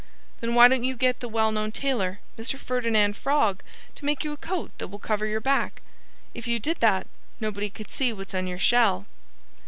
"Then why don't you get the well known tailor, Mr. Ferdinand Frog, to make you a coat that will cover your back? If you did that, nobody could see what's on your shell."